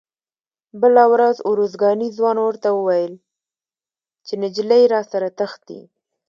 بله ورځ ارزګاني ځوان ورته وویل چې نجلۍ راسره تښتي.